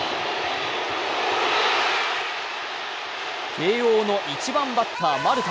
慶応の１番バッター・丸田。